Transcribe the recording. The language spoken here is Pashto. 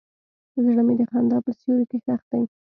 زړه مې د خندا په سیوري کې ښخ دی.